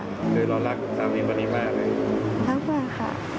คือรอลักสามีวันนี้มากเลยครับว่าค่ะ